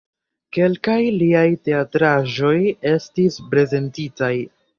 Kelkaj liaj teatraĵoj estis prezentitaj.